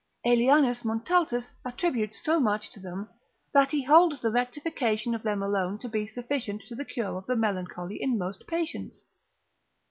Aelianus Montaltus attributes so much to them, that he holds the rectification of them alone to be sufficient to the cure of melancholy in most patients.